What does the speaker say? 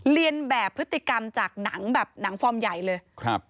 เรียนแบบพฤติกรรมจากหนังแบบหนังฟอร์มใหญ่เลยครับ